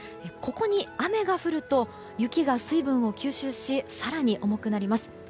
ここに雨が降ると雪が水分を吸収し更に重くなります。